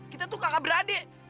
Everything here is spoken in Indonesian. kita tuh kakak beradik